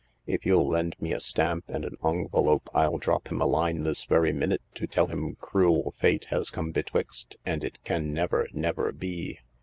If you'll lend me a stamp and a ongvelope I'll drop him a line this very minute to tell him cruel fate has come betwixt and it can never, never be."